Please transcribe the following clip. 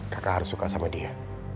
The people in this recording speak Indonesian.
kakak harus suka sama dia